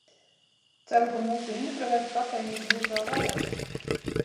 Ceru, ka mūsu intravertu kafejnīca būs vēl vaļā.